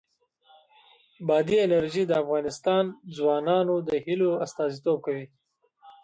بادي انرژي د افغان ځوانانو د هیلو استازیتوب کوي.